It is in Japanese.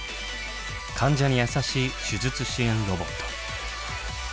患者にやさしい手術支援ロボット。